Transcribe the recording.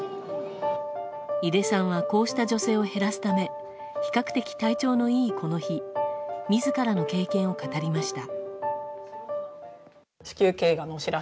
井出さんはこうした女性を減らすため比較的体調のいいこの日自らの経験を語りました。